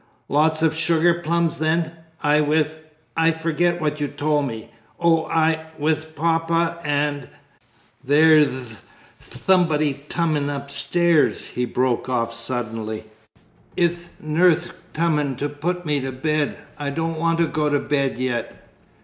"Lots of sugar plums, then. 'I with' I forget what you told me oh, 'I with Papa and ' there'th thomebody tummin' upsthairs!" he broke off suddenly; "it'h nurth tummin' to put me to bed. I don't want to go to bed yet."